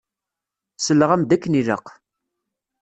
Selleɣ-am-d akken ilaq.